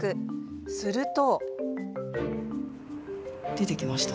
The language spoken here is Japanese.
すると。